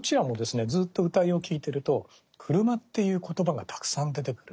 ずっと謡を聴いてると車っていう言葉がたくさん出てくるんですね。